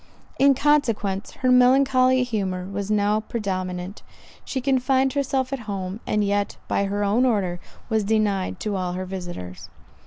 In consequence, her melancholy humour was now predominant; she confined herself at home, and yet, by her own order, was denied to all her visitors.